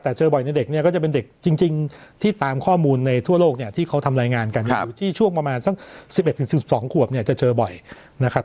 แต่เจอบ่อยในเด็กเนี่ยก็จะเป็นเด็กจริงที่ตามข้อมูลในทั่วโลกเนี่ยที่เขาทำรายงานกันอยู่ที่ช่วงประมาณสัก๑๑๑๑๒ขวบเนี่ยจะเจอบ่อยนะครับ